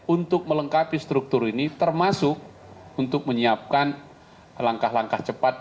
untuk melengkapi struktur ini termasuk untuk menyiapkan langkah langkah cepat